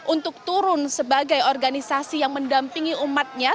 untuk turun sebagai organisasi yang mendampingi umatnya